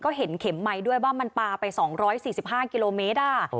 ก็เห็นเข็มไมค์ด้วยว่ามันปลาไป๒๔๕กิโลเมตร